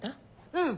うん。